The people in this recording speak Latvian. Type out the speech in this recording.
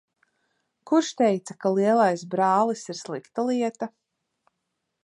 Kurš teica, ka lielais brālis ir slikta lieta?